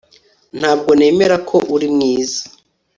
Ntabwo nemera ko uri mwiza